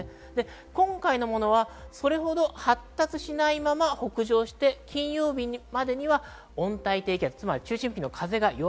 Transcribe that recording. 今回のものはそれほど発達しないまま北上して金曜日までには温帯低気圧に変わる見込みです。